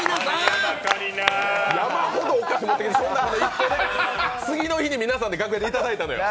山ほどお菓子を持ってきてその中の１個で次の日に皆さんで楽屋でいただいたのよ。